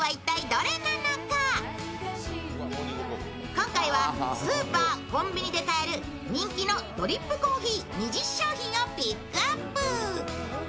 今回はスーパー・コンビニで買える人気の２０商品をピックアップ。